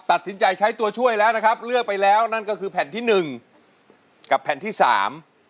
ตัดสินใจใช้ตัวช่วยแล้วนะครับเลือกไปแล้วนั่นก็คือแผ่นที่หนึ่งกับแผ่นที่สาม